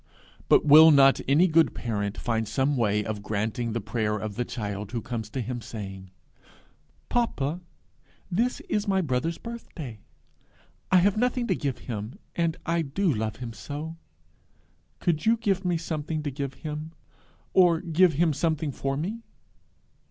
But will not any good parent find some way of granting the prayer of the child who comes to him, saying, 'Papa, this is my brother's birthday: I have nothing to give him, and I do love him so! could you give me something to give him, or give him something for me?'